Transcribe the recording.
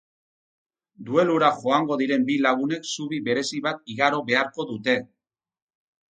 Duelura joango diren bi lagunek zubi berezi bat igaro beharko dute.